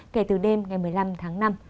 kể từ đêm ngày một mươi năm tháng năm